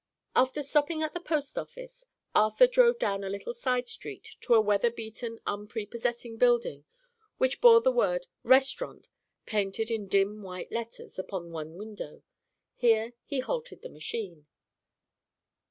After stopping at the post office, Arthur drove down a little side street to a weather beaten, unprepossessing building which bore the word "Restaurant" painted in dim white letters upon its one window. Here he halted the machine.